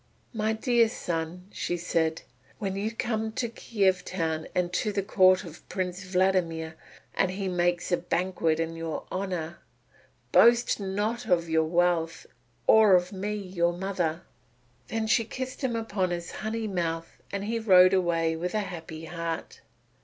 "My dear son," she said, "when you come to Kiev town and to the Court of Prince Vladimir and he makes a banquet in your honour, boast not of your wealth, or of me your mother." Then she kissed him upon his honey mouth and he rode away with happy heart.